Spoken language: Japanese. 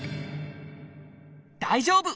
大丈夫！